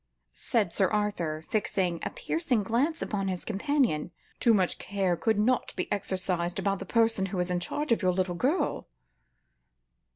said Sir Arthur, fixing a piercing glance upon his companion; "too much care could not be exercised about the person who has charge of your little girl."